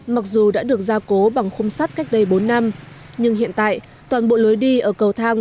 mặc dù đã được gia cố bằng khung sắt cách đây bốn năm nhưng hiện tại toàn bộ lối đi ở cầu thang